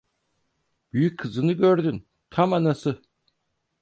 Büyük kızını gördün: Tam anası…